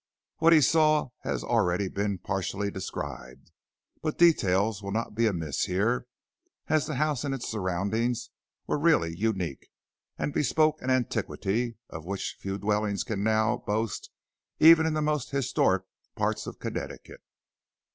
What he saw has already been partially described. But details will not be amiss here, as the house and its surroundings were really unique, and bespoke an antiquity of which few dwellings can now boast even in the most historic parts of Connecticut.